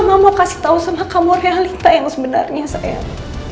mama mau kasih tahu sama kamu realita yang sebenarnya sayang